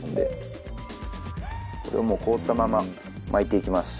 これをもう凍ったまま巻いていきます。